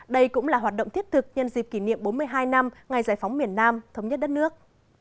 đây cũng là hoạt động thiết thực nhân dịp kỷ niệm bốn mươi hai năm ngày giải phóng miền nam thống nhất đất nước